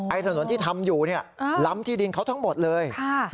ไอ้ถนนที่ทำอยู่ล้ำที่ดินเขาทั้งหมดเลย